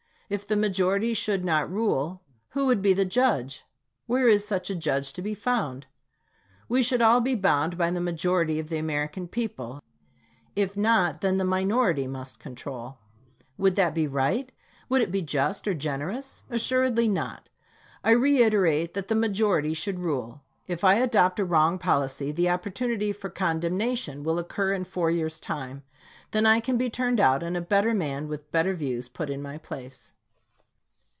If the majority should not rule, who would be the judge ? Where is such a judge to be found? We should all be bound by the majority of the American people — if not, then the minority must control. Would that be right ? Would it be just or generous? Assuredly not. I reiterate, that the majority should rule. If I adopt a wrong policy, the opportunity for condemnation will occur in four years' time. Then I can be turned out, and a better man with better views put in my place.